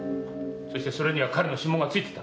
それには彼の指紋がついてた。